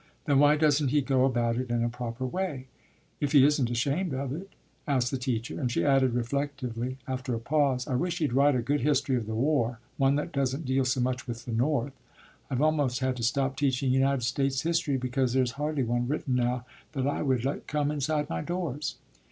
"Then why doesn't he go about it in a proper way, if he isn't ashamed of it?" asked the teacher, and she added reflectively after a pause, "I wish he'd write a good history of the war one that doesn't deal so much with the North. I've almost had to stop teaching United States history because there is hardly one written now that I would let come inside my doors."